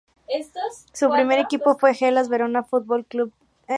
Su primer equipo fue Hellas Verona Football Club.